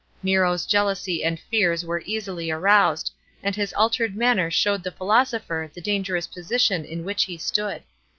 Nero's jealousy and fears were easily aroused, and his altered manner showed the philosopher the dangerous position in which he stood.